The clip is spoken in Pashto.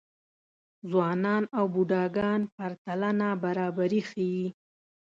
ځوانان او بوډاګان پرتله نابرابري ښيي.